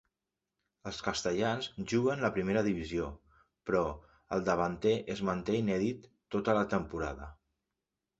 Els castellans juguen la primera divisió, però el davanter es manté inèdit tota la temporada.